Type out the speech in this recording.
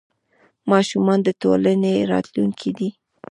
ماشومان د ټولنې راتلونکې دي.